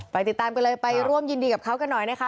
ติดตามกันเลยไปร่วมยินดีกับเขากันหน่อยนะคะ